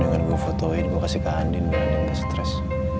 denganku foto entire detik handi menyatakan stress